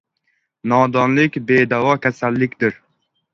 Nodonlik bedavo kasallikdir.